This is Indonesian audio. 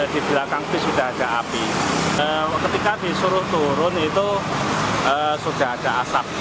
di belakang bus sudah ada api